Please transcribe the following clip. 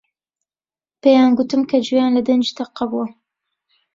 پێیان گوتم کە گوێیان لە دەنگی تەقە بووە.